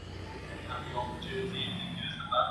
انسانان د يو بل سره نه تبادله کيږي.